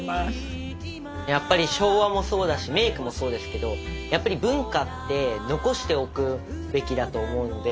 やっぱり昭和もそうだしメークもそうですけどやっぱり文化って残しておくべきだと思うので。